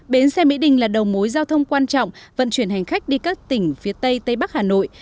bến xe mỹ đình là đầu mối giao thông quan trọng vận chuyển hành khách đi các tỉnh phía tây tây bắc hà nội